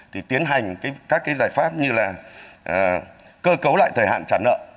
thì tiến hành các cái giải pháp như là cơ cấu lại thời hạn trả nợ